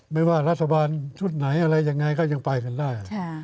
ไม่ว่ารัฐบาลชุดไหนอะไรยังไงก็ยังไปกันได้